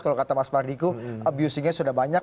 kalau kata mas mardiko abusingnya sudah banyak